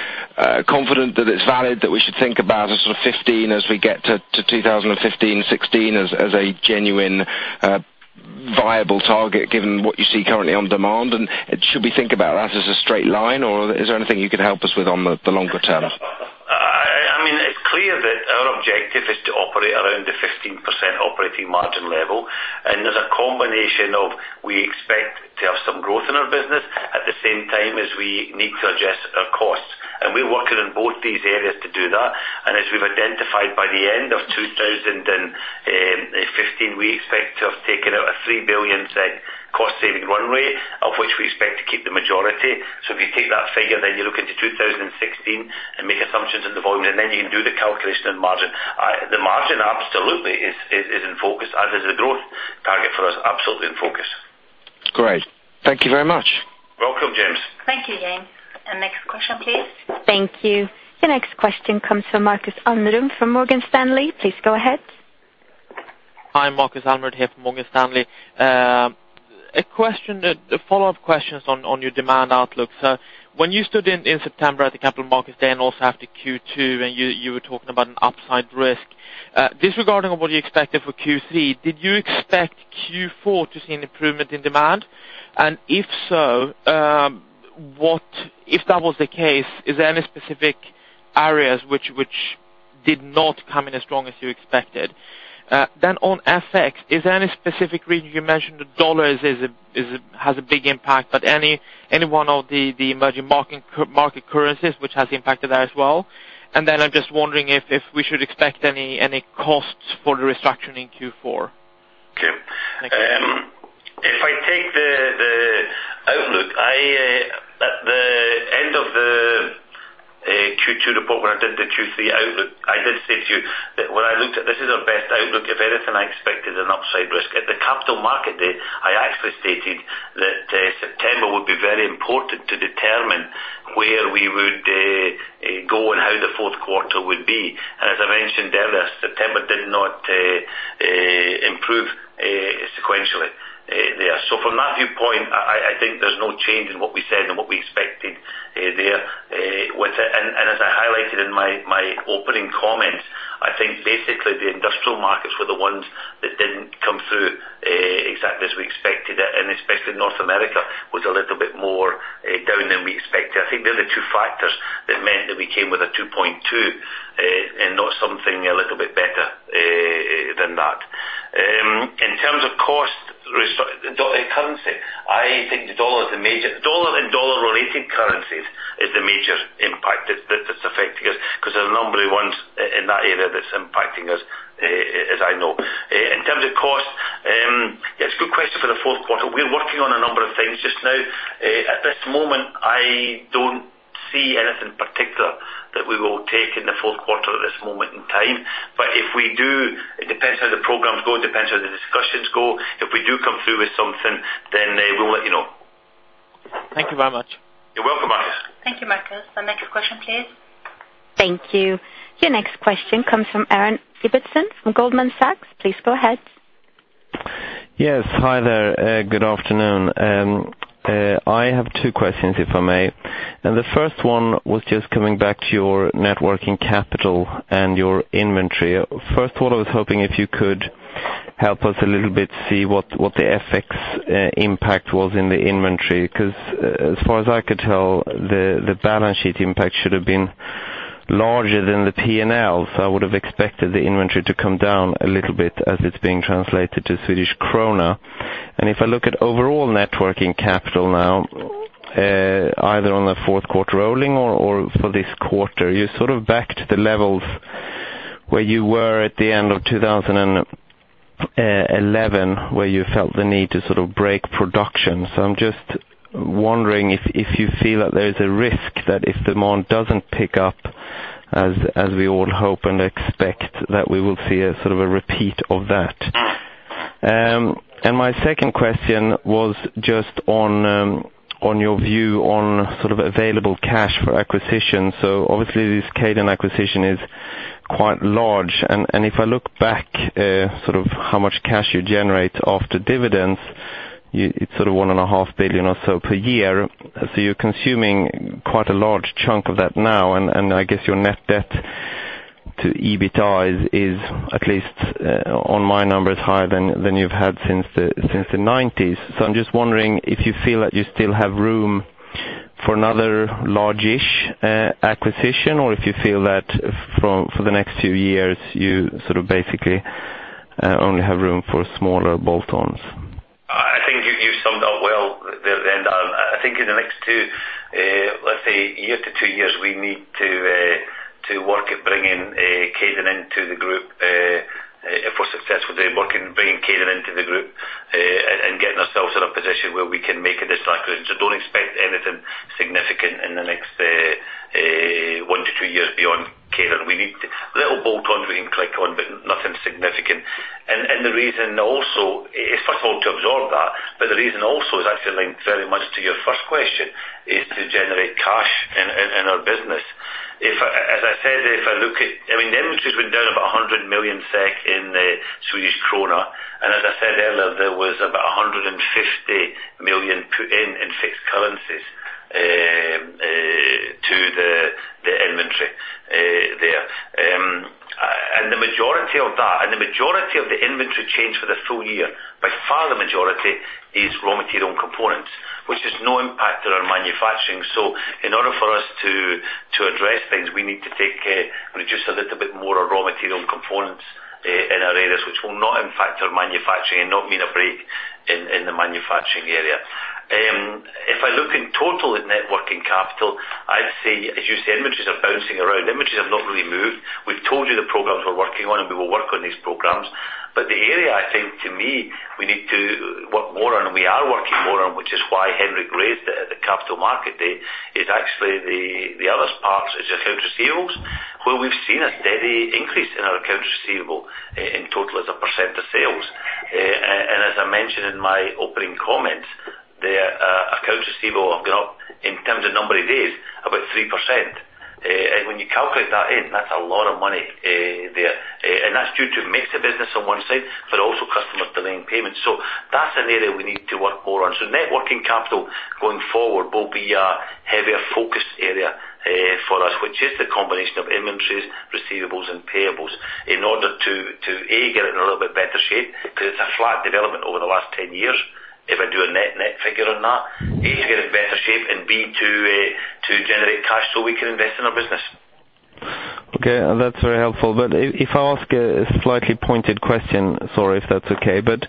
confident that it's valid, that we should think about a sort of 15% as we get to 2015, 16% as a genuine viable target, given what you see currently on demand? And should we think about that as a straight line, or is there anything you can help us with on the longer term? I mean, it's clear that our objective is to operate around the 15% operating margin level. And there's a combination of, we expect to have some growth in our business, at the same time as we need to adjust our costs. And we're working on both these areas to do that. And as we've identified, by the end of 2015, we expect to have taken out a 3 billion cost-saving runway, of which we expect to keep the majority. So if you take that figure, then you look into 2016 and make assumptions of the volume, and then you can do the calculation of margin. The margin absolutely is in focus, as is the growth target for us, absolutely in focus. Great. Thank you very much. Welcome, James. Thank you, James. And next question, please. Thank you. Your next question comes from Markus Almerud, from Morgan Stanley. Please go ahead. Hi, Markus Almerud here from Morgan Stanley. A question, a follow-up question on your demand outlook. So when you stood in September at the Capital Markets Day and also after Q2, and you were talking about an upside risk. Disregarding what you expected for Q3, did you expect Q4 to see an improvement in demand? And if so, what if that was the case, is there any specific areas which did not come in as strong as you expected? Then on FX, is there any specific reason you mentioned the dollar has a big impact, but any one of the emerging market currencies which has impacted that as well? And then I'm just wondering if we should expect any costs for the restructuring in Q4. Okay. Thank you. If I take the outlook, I at the end of the Q2 report, when I did the Q3 outlook, I did say to you that when I looked at this is our best outlook, if anything, I expected an upside risk. At the Capital Market Day, I actually stated that September would be very important to determine where we would go and how the fourth quarter would be. And as I mentioned earlier, September did not improve sequentially there. So from that viewpoint, I think there's no change in what we said and what we expected there with it. As I highlighted in my opening comments, I think basically, the industrial markets were the ones that didn't come through exactly as we expected it, and especially North America was a little bit more down than we expected. I think they're the two factors that meant that we came with a 2.2 and not something a little bit better than that. In terms of cost, restructuring, currency, I think the US dollar and US dollar-related currencies is the major impact that is affecting us, because there are a number of ones in that area that's impacting us, as I know. In terms of cost, yes, good question for the fourth quarter. We're working on a number of things just now. At this moment, I don't see anything particular that we will take in the fourth quarter at this moment in time. But if we do, it depends how the programs go, it depends how the discussions go. If we do come through with something, then, we'll let you know. Thank you very much. You're welcome, Markus. Thank you, Markus. The next question, please. Thank you. Your next question comes from Aaron Ibbotson from Goldman Sachs. Please go ahead. Yes. Hi there. Good afternoon. I have two questions, if I may. And the first one was just coming back to your net working capital and your inventory. First of all, I was hoping if you could help us a little bit see what the FX impact was in the inventory, 'cause as far as I could tell, the balance sheet impact should have been larger than the PNLs. So I would have expected the inventory to come down a little bit as it's being translated to Swedish krona. And if I look at overall net working capital now, either on the fourth quarter rolling or for this quarter, you're sort of back to the levels where you were at the end of 2011, where you felt the need to sort of break production. So I'm just wondering if, if you feel that there is a risk that if demand doesn't pick up, as, as we all hope and expect, that we will see a sort of a repeat of that. And my second question was just on, on your view on sort of available cash for acquisition. So obviously, this Kaydon acquisition is quite large. And, and if I look back, sort of how much cash you generate after dividends, it's sort of 1.5 billion or so per year. So you're consuming quite a large chunk of that now, and, and I guess your net debt to EBITDA is, is at least, on my numbers, higher than, than you've had since the, since the 1990s. I'm just wondering if you feel that you still have room for another large-ish acquisition, or if you feel that for the next few years, you sort of basically only have room for smaller bolt-ons? I think you summed up well there at the end, Aaron. I think in the next two, let's say, year to two years, we need to work at bringing Kaydon into the group, if we're successful, then working at bringing Kaydon into the group, and getting ourselves in a position where we can make a distinction. So don't expect anything significant in the next one to two years beyond Kaydon. We need little bolt-ons we can click on, but nothing significant. And the reason also is, first of all, to absorb that, but the reason also is actually linked very much to your first question, is to generate cash in our business. If, as I said, I mean, the inventory's been down about 100 million SEK in the Swedish krona, and as I said earlier, there was about 150 million put in, in six currencies, to the inventory there. And the majority of that, and the majority of the inventory change for the full year, by far the majority is raw material and components, which has no impact on our manufacturing. So in order for us to address things, we need to take, reduce a little bit more of raw material and components in our areas, which will not impact our manufacturing and not mean a break in the manufacturing area. If I look in total at net working capital, I'd say, as you say, inventories are bouncing around. Inventories have not really moved. We've told you the programs we're working on, and we will work on these programs. But the area I think to me, we need to work more on, and we are working more on, which is why Henrik raised at the Capital Market Day, is actually the other parts, is accounts receivables, where we've seen a steady increase in our accounts receivable in total as a percent of sales. And as I mentioned in my opening comments there, receivable have gone up in terms of number of days, about 3%. And when you calculate that in, that's a lot of money there. And that's due to mix of business on one side, but also customers delaying payments. So that's an area we need to work more on. Net working capital, going forward, will be a heavier focused area for us, which is the combination of inventories, receivables, and payables. In order to A, get it in a little bit better shape, because it's a flat development over the last 10 years. If I do a net-net figure on that, A, to get in better shape and, B, to generate cash so we can invest in our business. Okay, that's very helpful. But if I ask a slightly pointed question, sorry, if that's okay. But,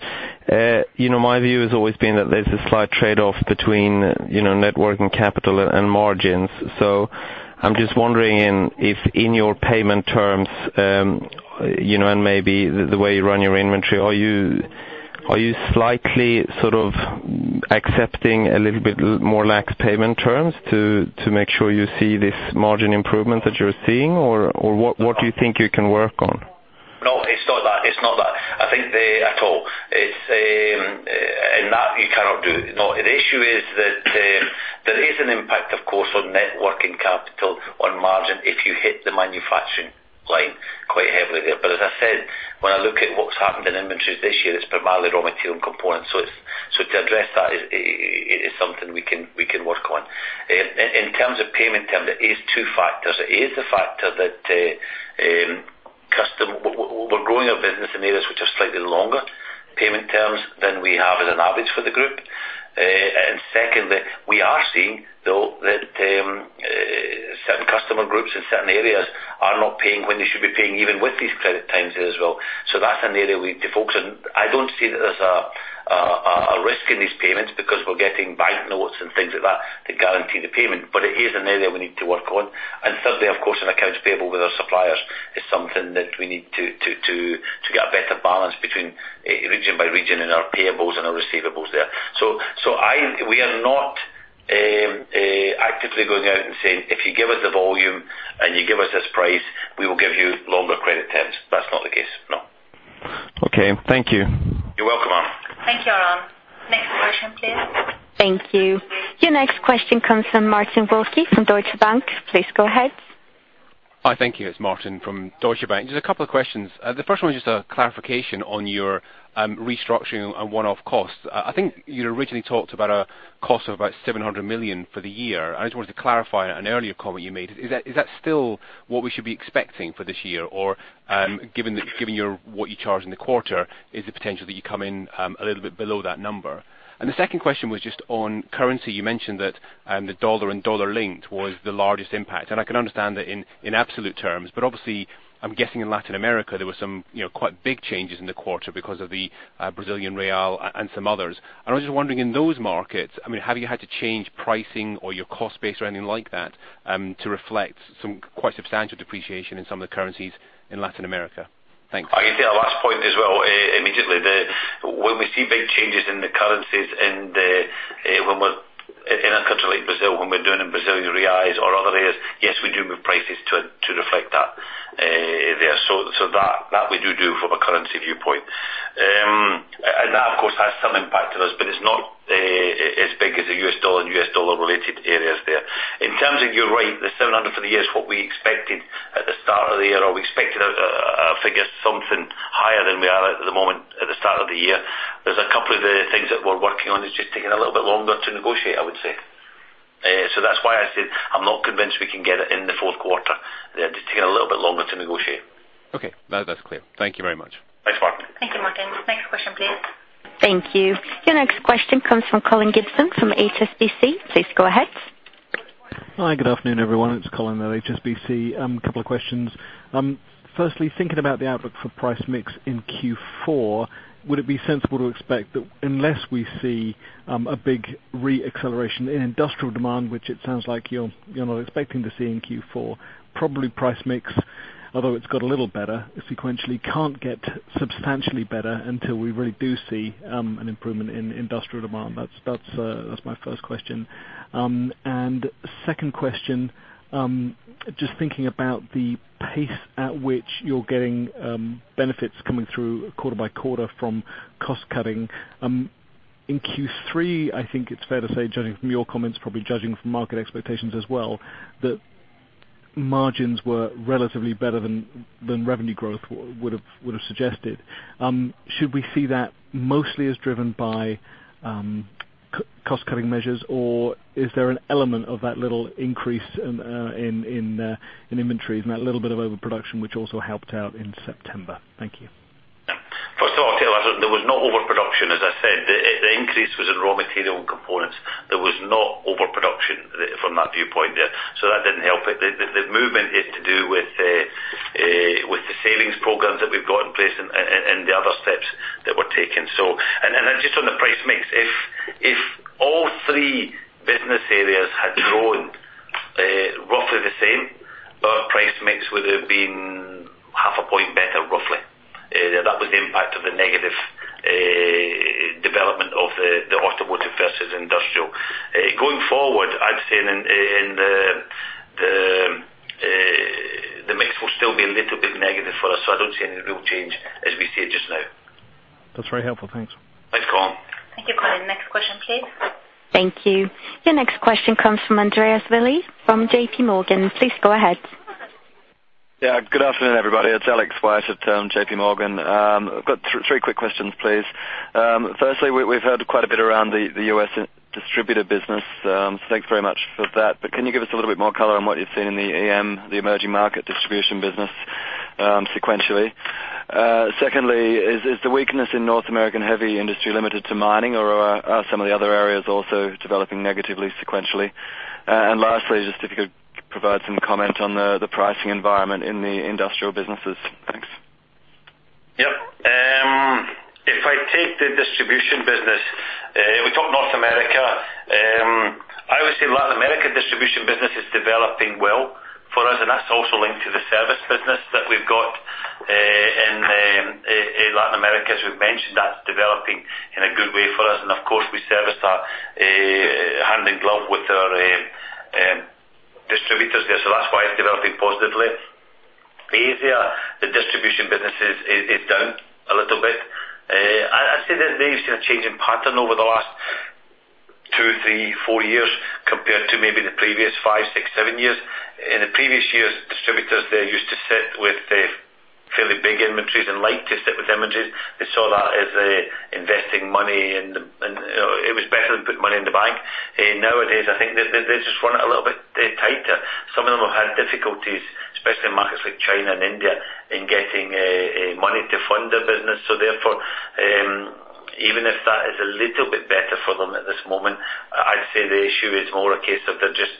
you know, my view has always been that there's a slight trade-off between, you know, Net Working Capital and margins. So I'm just wondering if in your payment terms, you know, and maybe the way you run your inventory, are you slightly sort of accepting a little bit more lax payment terms to make sure you see this margin improvement that you're seeing, or what do you think you can work on? No, it's not that. It's not that. I think the. At all. It's and that you cannot do. No, the issue is that there is an impact, of course, on net working capital, on margin, if you hit the manufacturing line quite heavily there. But as I said, when I look at what's happened in inventories this year, it's primarily raw material and components. So it's so to address that is something we can, we can work on. In terms of payment term, there is two factors. It is the factor that custom. We're growing our business in areas which are slightly longer payment terms than we have as an average for the group. And secondly, we are seeing, though, that certain customer groups in certain areas are not paying when they should be paying, even with these credit times as well. So that's an area we need to focus on. I don't see that there's a risk in these payments because we're getting banknotes and things like that to guarantee the payment, but it is an area we need to work on. And thirdly, of course, in accounts payable with our suppliers, is something that we need to get a better balance between, region by region in our payables and our receivables there. So, I, we are not actively going out and saying, "If you give us the volume and you give us this price, we will give you longer credit terms." That's not the case, no. Okay, thank you. You're welcome, Aaron. Thank you, Aaron. Next question, please. Thank you. Your next question comes from Martin Wolski from Deutsche Bank. Please go ahead. Hi. Thank you. It's Martin from Deutsche Bank. Just a couple of questions. The first one is just a clarification on your restructuring and one-off costs. I think you originally talked about a cost of about 700 million for the year. I just wanted to clarify an earlier comment you made. Is that still what we should be expecting for this year? Or, given your what you charged in the quarter, is the potential that you come in a little bit below that number? And the second question was just on currency. You mentioned that the US dollar and dollar-linked was the largest impact, and I can understand that in absolute terms, but obviously, I'm guessing in Latin America, there were some, you know, quite big changes in the quarter because of the Brazilian real and some others. I was just wondering, in those markets, I mean, have you had to change pricing or your cost base or anything like that, to reflect some quite substantial depreciation in some of the currencies in Latin America? Thanks. I can take that last point as well, immediately. When we see big changes in the currencies and when we're in a country like Brazil, when we're doing in Brazilian reais or other areas, yes, we do move prices to reflect that there. So that we do from a currency viewpoint. And that, of course, has some impact to us, but it's not as big as the US dollar and US dollar-related areas there. In terms of, you're right, the 700 for the year is what we expected at the start of the year, or we expected a figure something higher than we are at the moment at the start of the year. There's a couple of the things that we're working on. It's just taking a little bit longer to negotiate, I would say. So that's why I said, I'm not convinced we can get it in the fourth quarter. They're just taking a little bit longer to negotiate. Okay. That, that's clear. Thank you very much. Thanks, Martin. Thank you, Martin. Next question, please. Thank you. Your next question comes from Colin Gibson, from HSBC. Please go ahead. Hi, good afternoon, everyone. It's Colin at HSBC. A couple of questions. Firstly, thinking about the outlook for price mix in Q4, would it be sensible to expect that unless we see a big re-acceleration in industrial demand, which it sounds like you're, you're not expecting to see in Q4, probably price mix, although it's got a little better, sequentially, can't get substantially better until we really do see an improvement in industrial demand? That's, that's, that's my first question. And second question, just thinking about the pace at which you're getting benefits coming through quarter by quarter from cost cutting. In Q3, I think it's fair to say, judging from your comments, probably judging from market expectations as well, that margins were relatively better than, than revenue growth would have, would have suggested. Should we see that mostly as driven by cost-cutting measures, or is there an element of that little increase in inventories and that little bit of overproduction, which also helped out in September? Thank you. First of all, there was no overproduction, as I said. The increase was in raw material and components. There was no overproduction from that viewpoint, so that didn't help it. The movement is to do with the savings programs that we've got in place and the other steps that we're taking. So, just on the price mix, if all three business areas had grown roughly the same, our price mix would have been half a point better, roughly. That was the impact of the negative development of the automotive versus industrial. Going forward, I'd say, That's very helpful. Thanks. Thanks, Colin. Thank you, Colin. Next question, please. Thank you. Your next question comes from Andreas Willi from JP Morgan. Please go ahead. Yeah, good afternoon, everybody. It's Alex Wyatt at JP Morgan. I've got three quick questions, please. Firstly, we've heard quite a bit around the U.S. distributor business, so thanks very much for that. But can you give us a little bit more color on what you've seen in the EM, the emerging market distribution business, sequentially? Secondly, is the weakness in North American heavy industry limited to mining, or are some of the other areas also developing negatively, sequentially? And lastly, just if you could provide some comment on the pricing environment in the industrial businesses. Thanks. Yep. If I take the distribution business, we talked North America. I would say Latin America distribution business is developing well for us, and that's also linked to the service business that we've got in Latin America, as we've mentioned, that's developing in a good way for us. And of course, we service that hand in glove with our distributors there, so that's why it's developing positively. Asia, the distribution business is down a little bit. I'd say that there's been a change in pattern over the last two, three, four years compared to maybe the previous five, six, seven years. In the previous years, distributors, they used to sit with fairly big inventories and liked to sit with inventories. They saw that as investing money, and you know, it was better than putting money in the bank. And nowadays, I think they're just run it a little bit tighter. Some of them have had difficulties, especially in markets like China and India, in getting money to fund their business. So therefore, even if that is a little bit better for them at this moment, I'd say the issue is more a case of they're just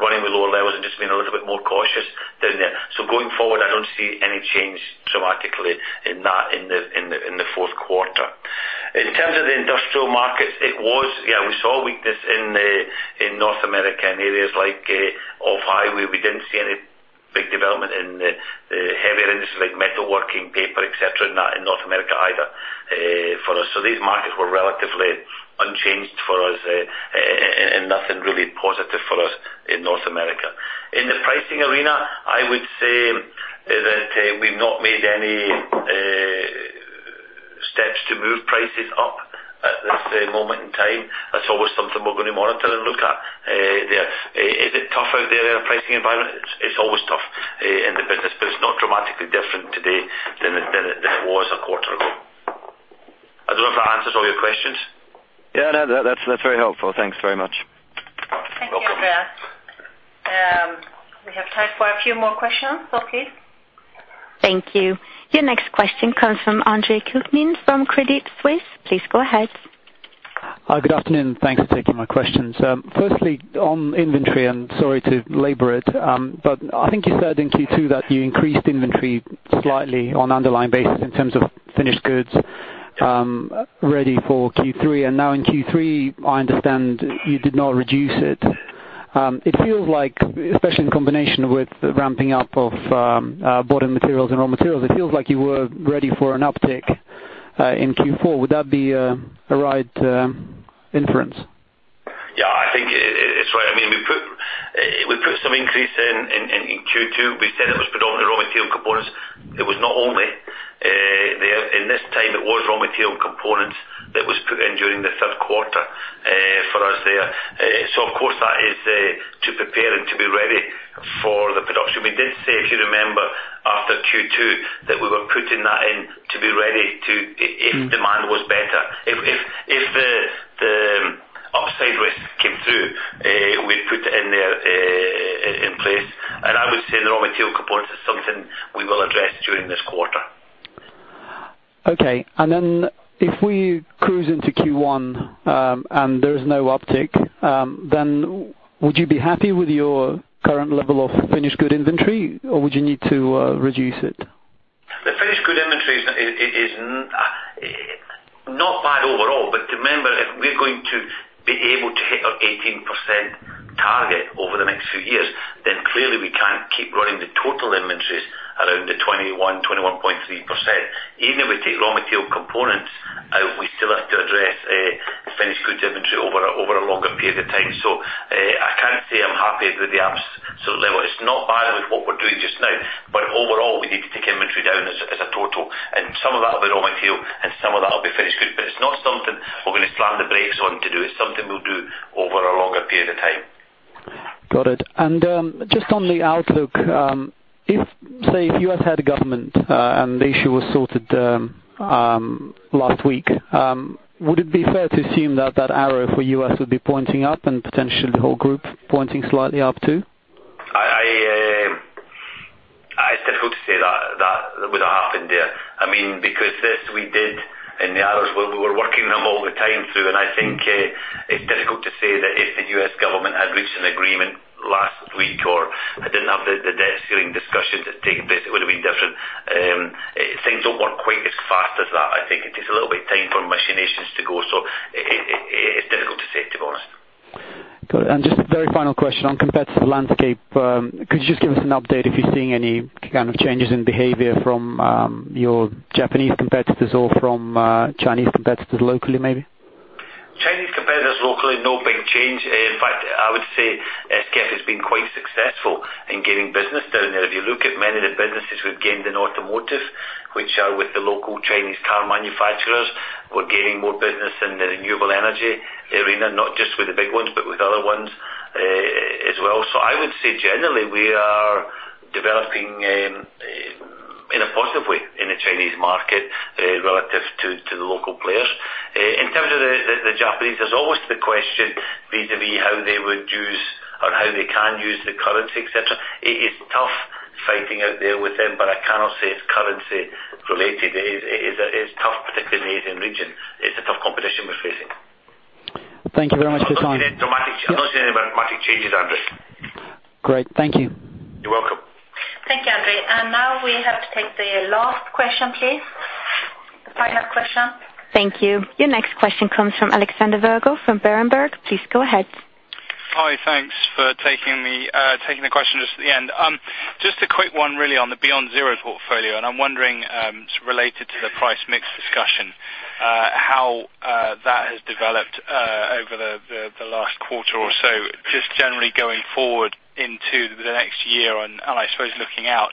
running with lower levels and just being a little bit more cautious down there. So going forward, I don't see any change dramatically in that in the fourth quarter. In terms of the industrial markets, it was. Yeah, we saw a weakness in North America in areas like off highway. We didn't see any big development in the heavier industries like metalworking, paper, et cetera, in North America either, for us. So these markets were relatively unchanged for us, and nothing really positive for us in North America. In the pricing arena, I would say that we've not made any steps to move prices up at this moment in time. That's always something we're going to monitor and look at there. Is it tough out there in our pricing environment? It's always tough in the business, but it's not dramatically different today than it was a quarter ago. I don't know if that answers all your questions. Yeah, no, that, that's very helpful. Thanks very much. Welcome. Thank you, Alex. We have time for a few more questions. Okay? Thank you. Your next question comes from Andre Kukhnin from Credit Suisse. Please go ahead. Hi, good afternoon, and thanks for taking my questions. Firstly, on inventory, and sorry to labor it, but I think you said in Q2 that you increased inventory slightly on underlying basis in terms of finished goods, ready for Q3, and now in Q3, I understand you did not reduce it. It feels like, especially in combination with the ramping up of bought-in materials and raw materials, it feels like you were ready for an uptick in Q4. Would that be a right inference? Yeah, I think it's right. I mean, we put some increase in Q2. We said it was predominantly raw material components. It was not only there. In this time, it was raw material components that was put in during the third quarter for us there. So of course, that is to prepare and to be ready for the production. We did say, if you remember, after Q2, that we were putting that in to be ready to, if. Mm-hmm. demand was better. If the upside risk came through, we'd put it in there, in place. And I would say the raw material components is something we will address during this quarter. Okay. Then if we cruise into Q1, and there is no uptick, then would you be happy with your current level of finished good inventory, or would you need to reduce it? The finished goods inventory is not bad overall, but remember, if we're going to be able to hit our 18% target over the next few years, then clearly we can't keep running the total inventories around the 21, 21.3%. Even if we take raw material components out, we still have to address the finished goods inventory over a longer period of time. So, I can't say I'm happy with the absolute level. It's not bad with what we're doing just now, but overall, we need to take inventory down as a total, and some of that will be raw material, and some of that will be finished goods. But it's not something we're gonna slam the brakes on to do. It's something we'll do over a longer period of time. Got it. And, just on the outlook, say, if you had a government, and the issue was sorted last week, would it be fair to assume that that arrow for U.S. would be pointing up and potentially the whole group pointing slightly up, too? It's difficult to say that would have happened there. I mean, because this we did, and the others, we were working them all the time through, and I think it's difficult to say that if the U.S. government had reached an agreement last week or it didn't have the debt ceiling discussions that had taken place, it would have been different. Things don't work quite as fast as that. I think it takes a little bit of time for machinations to go, so it's difficult to say, to be honest. Good. Just a very final question on competitive landscape. Could you just give us an update if you're seeing any kind of changes in behavior from your Japanese competitors or from Chinese competitors locally, maybe? Competitors locally, no big change. In fact, I would say, SKF has been quite successful in getting business down there. If you look at many of the businesses we've gained in automotive, which are with the local Chinese car manufacturers, we're gaining more business in the renewable energy arena, not just with the big ones, but with other ones, as well. So I would say generally, we are developing, in a positive way in the Chinese market, relative to the local players. In terms of the Japanese, there's always the question vis-à-vis how they would use or how they can use the currency, et cetera. It is tough fighting out there with them, but I cannot say it's currency related. It is tough, particularly in the Asian region. It's a tough competition we're facing. Thank you very much for your time. I'm not seeing any dramatic changes, Andre. Great. Thank you. You're welcome. Thank you, Andre. Now we have to take the last question, please. The final question. Thank you. Your next question comes from Alexander Virgo from Berenberg. Please go ahead. Hi, thanks for taking the question just at the end. Just a quick one, really, on the BeyondZero portfolio, and I'm wondering, related to the price mix discussion, how that has developed over the last quarter or so, just generally going forward into the next year, and I suppose looking out,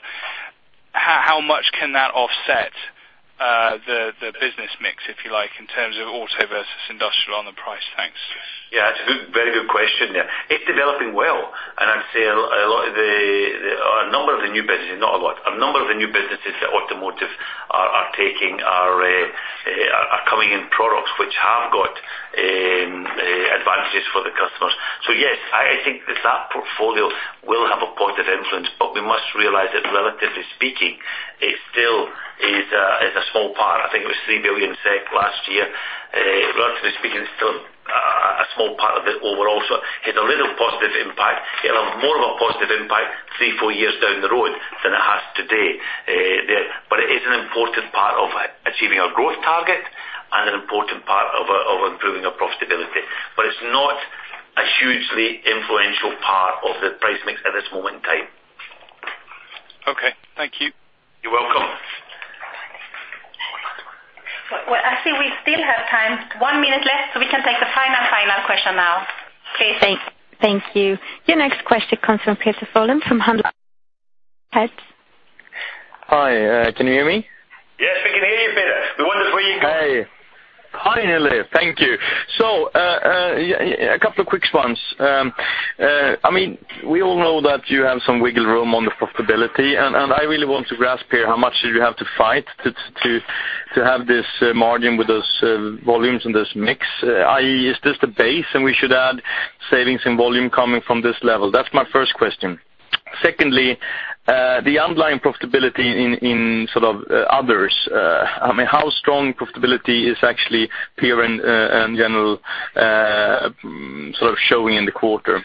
how much can that offset the business mix, if you like, in terms of auto versus industrial on the price? Thanks. Yes. Yeah, it's a good, very good question, yeah. It's developing well, and I'd say a lot, a number of the new businesses, not a lot, a number of the new businesses that automotive are taking are coming in products which have got advantages for the customers. So yes, I think that that portfolio will have a positive influence, but we must realize that relatively speaking, it still is a small part. I think it was 3 billion SEK last year. Relatively speaking, it's still a small part of the overall. So it has a little positive impact. It'll have more of a positive impact 3, 4 years down the road than it has today. But it is an important part of achieving our growth target and an important part of improving our profitability. But it's not a hugely influential part of the price mix at this moment in time. Okay, thank you. You're welcome. Well, well, I see we still have time, 1 minute left, so we can take the final, final question now. Please. Thank you. Your next question comes from Peder Frölén from Han. Go ahead. Hi, can you hear me? Yes, we can hear you, Peder. Hey, finally. Thank you. So, a couple of quick ones. I mean, we all know that you have some wiggle room on the profitability, and I really want to grasp here, how much did you have to fight to have this margin with those volumes and this mix? i.e., is this the base, and we should add savings and volume coming from this level? That's my first question. Secondly, the underlying profitability in, in sort of, others, I mean, how strong profitability is actually PEER and GBC sort of showing in the quarter?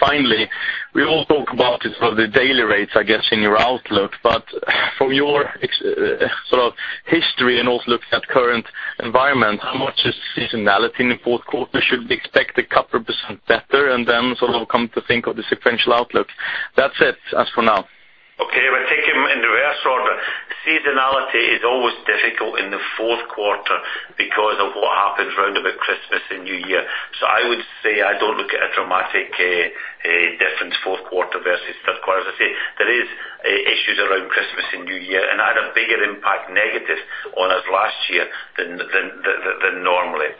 Finally, we all talk about it, sort of the daily rates, I guess, in your outlook, but from your ex- sort of history and also looking at current environment, how much is seasonality in the fourth quarter? Should we expect a couple% better and then sort of come to think of the sequential outlook? That's it, as for now. Okay, we'll take them in reverse order. Seasonality is always difficult in the fourth quarter because of what happens round about Christmas and New Year. So I would say I don't look at a dramatic difference, fourth quarter versus third quarter. As I say, there is issues around Christmas and New Year, and had a bigger impact, negative, on us last year than normally.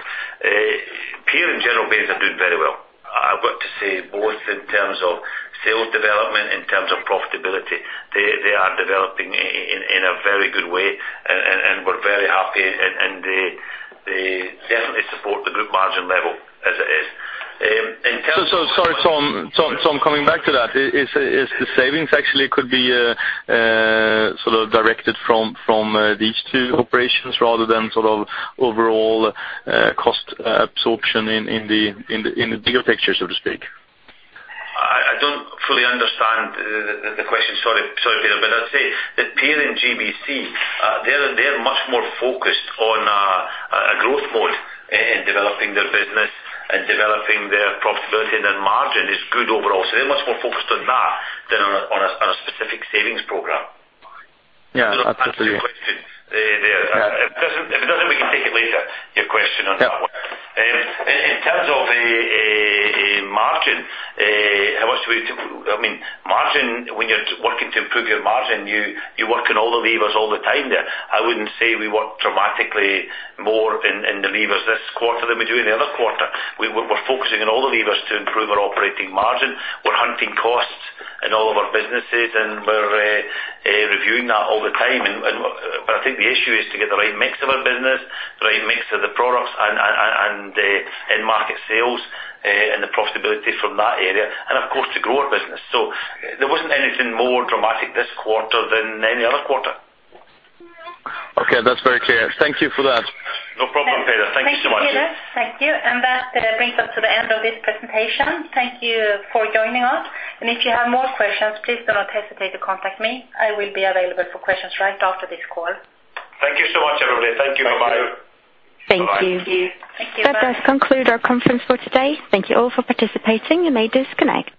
PEER and GBC are doing very well. I've got to say, both in terms of sales development, in terms of profitability, they are developing in a very good way, and we're very happy, and they definitely support the group margin level as it is. In terms of- So, so sorry, Tom. Tom, coming back to that, is the savings actually could be sort of directed from these two operations rather than sort of overall cost absorption in the bigger picture, so to speak? I don't fully understand the question. Sorry, Peder, but I'd say that PEER and GBC, they're much more focused on a growth mode in developing their business and developing their profitability, and their margin is good overall. So they're much more focused on that than on a specific savings program. Yeah, absolutely. That's your question there. Yeah. If it doesn't, we can take it later, your question on that one. Yeah. In terms of a margin, I mean, margin, when you're working to improve your margin, you work on all the levers all the time there. I wouldn't say we work dramatically more in the levers this quarter than we do in the other quarter. We're focusing on all the levers to improve our operating margin. We're hunting costs in all of our businesses, and we're reviewing that all the time. But I think the issue is to get the right mix of our business, the right mix of the products and end market sales, and the profitability from that area, and of course, to grow our business. So there wasn't anything more dramatic this quarter than any other quarter. Okay, that's very clear. Thank you for that. No problem, Peder. Thank you so much. Thank you, Peder. Thank you. And that brings us to the end of this presentation. Thank you for joining us, and if you have more questions, please do not hesitate to contact me. I will be available for questions right after this call. Thank you so much, everybody. Thank you. Bye-bye. Thank you. Thank you. That does conclude our conference for today. Thank you all for participating. You may disconnect.